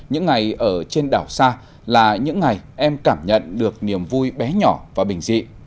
những ngày ở trên đảo sa là những ngày em cảm nhận được niềm vui bé nhỏ và bình dị